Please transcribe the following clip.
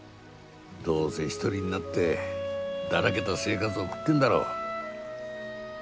どうせ一人になってだらけた生活を送ってるんだろ。